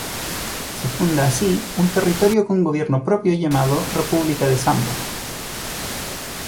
Se funda así un territorio con gobierno propio llamado "República de Zambos".